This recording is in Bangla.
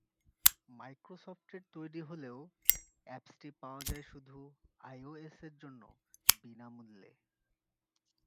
মাইক্রোসফটের তৈরি হলেও অ্যাপসটি পাওয়া যায় শুধু আইওএসের জন্য, বিনা মূল্যে।